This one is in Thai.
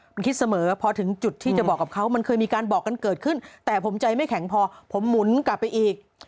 คุณคิดเสมอพอถึงจุดที่จะบอกกับเขามันเคยมีการบอกกันเกิดขึ้นแต่ผมใจไม่แข็งพอผมหมุนกลับไปอีก